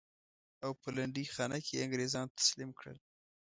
او په لنډۍ خانه کې یې انګرېزانو ته تسلیم کړل.